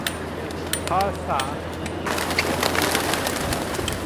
ภาษาคือเครื่องมือพื้นฐานในการสื่อสาร